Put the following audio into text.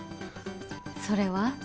それは？